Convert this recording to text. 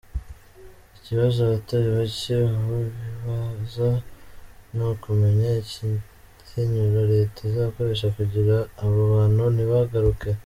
Ikibazo abatari bake ubu bibaza ni ukumenya umukenyuro leta izokoresha kugira abo bantu ntibagaruke.